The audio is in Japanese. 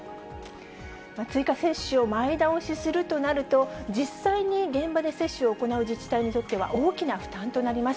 追加接種を前倒しするとなると、実際に現場で接種を行う自治体にとっては、大きな負担となります。